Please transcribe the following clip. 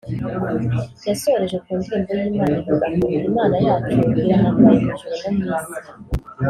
yasoreje ku ndirimbo y'Imana ivuga ngo 'Imana yacu irahambaye mu ijuru no mu isi